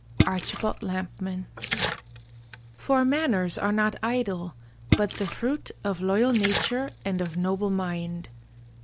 Archibald Lampman For manners are not idle, but the fruit Of loyal nature and of noble mind.